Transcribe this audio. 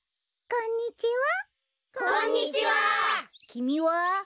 こんにちは。